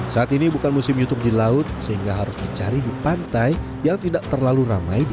saat ini bukan musim youtube di laut sehingga harus dicari di pantai yang tidak terlalu ramai